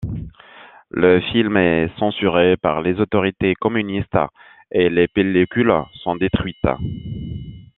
Le film est censuré par les autorités communistes et les pellicules sont détruites.